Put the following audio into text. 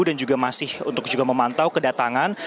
dan juga masih untuk juga memantau kedatangan